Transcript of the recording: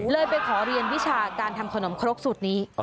ไปขอเรียนวิชาการทำขนมครกสูตรนี้